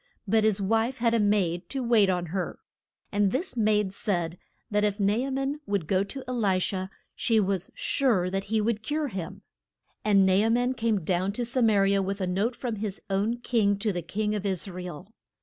But his wife had a maid to wait on her. And this maid said that if Na a man would go to E li sha she was sure that he would cure him. And Na a man came down to Sa ma ri a with a note from his own king to the king of Is ra el.